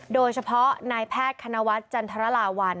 โดยเฉพาะนายแพทย์คณวัฒน์จันทรลาวัล